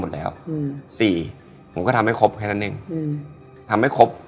ไม่ไหวตอนนั้น